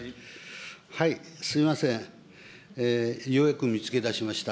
すみません、ようやく見つけ出しました。